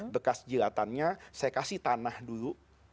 bekas jilatannya saya kasih tanah dulu